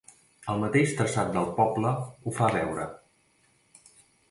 El mateix traçat del poble ho fa veure.